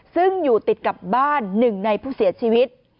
ซึ่งอยู่ติดกับบ้านหนึ่งในผู้เสียชีวิต